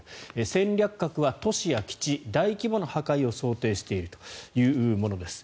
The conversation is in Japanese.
戦略核は都市や基地大規模な破壊を想定しているものです。